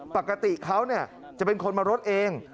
ปกติเขาจะเป็นคนมารถเอง